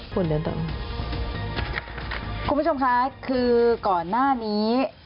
คุณผู้ชมคะคือก่อนหน้านี้